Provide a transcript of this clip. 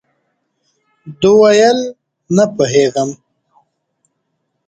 ده ویل، نه پوهېږم.